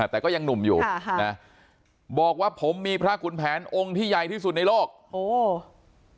แต่ก็ยังหนุ่มอยู่ค่ะนะบอกว่าผมมีพระขุนแผนองค์ที่ใหญ่ที่สุดในโลกโอ้โห